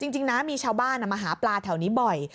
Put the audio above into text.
จริงนะมีชาวบ้านมาหาปลาแถวนี้บ่อย